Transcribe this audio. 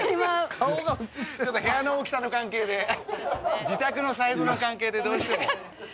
部屋の大きさの関係で自宅のサイズの関係でどうしても。